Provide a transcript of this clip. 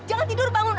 jangan tidur bangun